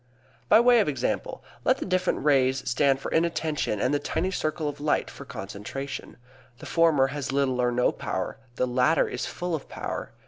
By way of example: Let the different rays stand for inattention and the tiny circle of light for concentration. The former has little or no power; the latter is full of power.